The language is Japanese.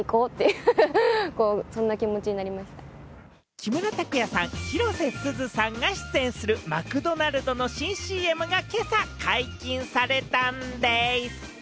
木村拓哉さん、広瀬すずさんが出演する、マクドナルドの新ＣＭが今朝、解禁されたんでぃす！